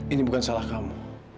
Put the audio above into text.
ini bukan salah kamu